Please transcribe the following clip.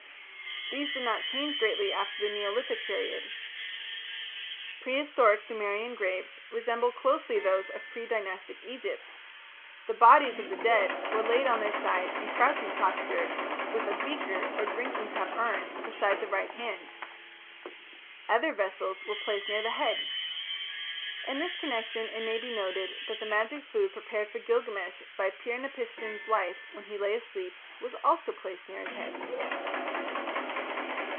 These did not change greatly after the Neolithic period. Prehistoric Sumerian graves resemble closely those of pre Dynastic Egypt. The bodies of the dead were laid on their sides in crouching posture, with a "beaker", or "drinking cup" urn, beside the right hand. Other vessels were placed near the head. In this connection it may be noted that the magic food prepared for Gilgamesh by Pir napishtim's wife, when he lay asleep, was also placed near his head.